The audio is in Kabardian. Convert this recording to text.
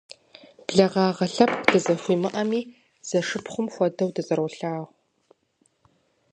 Благъагъэ лъэпкъ дызэхуимыӏэми, зэшыпхъухэм хуэдэу дызэролъагъу.